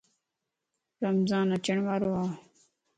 رمضان اچڻ وارو ا